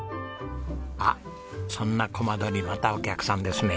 あっそんな小窓にまたお客さんですね。